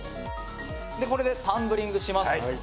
「これでタンブリングします」